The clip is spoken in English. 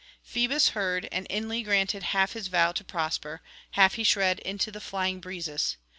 Phoebus heard, and inly granted half his vow to prosper, half he shred into the flying breezes.